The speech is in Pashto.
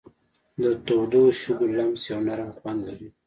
د تودو شګو لمس یو نرم خوند لري.